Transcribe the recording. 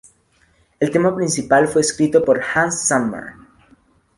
El tema principal fue escrito por Hans Zimmer.